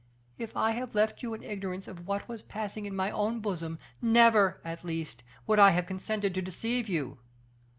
If I have left you in ignorance of what was passing in my own bosom, never, at least, would I have consented to deceive you.